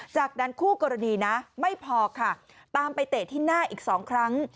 จากนั้นคู่กรณีนะไม่พอค่ะตามไปเตะที่หน้าอีก๒ครั้ง